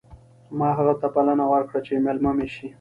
ما هغه ته بلنه ورکړه چې مېلمه مې شي